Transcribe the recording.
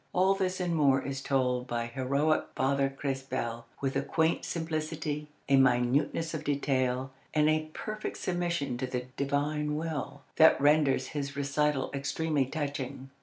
All this and more is told by heroic Father Crespel with a quaint simplicity, a minuteness of detail, and a perfect submission to the Divine will, that renders his recital extremely touching.